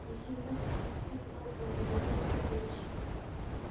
შემდეგ დღეს კი კვლავ ბრუნდებოდა სტუდიაში.